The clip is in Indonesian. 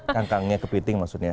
kangkangnya kepiting maksudnya